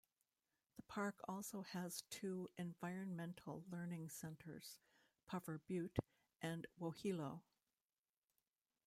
The park also has two Environmental Learning Centers: Puffer Butte and Wohelo.